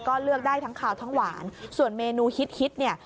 ก็เลือกได้ทั้งขาวทั้งหวานส่วนเมนูฮิตเนี่ย